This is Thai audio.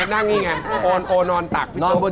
ก็ให้นอนตักเว้ย